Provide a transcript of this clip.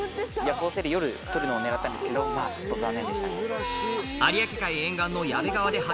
夜行性で夜捕るのを狙ったんですけどちょっと残念でしたね。